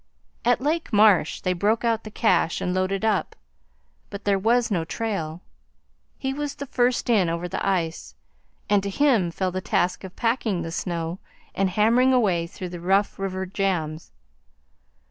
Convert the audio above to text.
At Lake Marsh they broke out the cache and loaded up. But there was no trail. He was the first in over the ice, and to him fell the task of packing the snow and hammering away through the rough river jams.